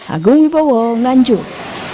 agung ibowo nganjuk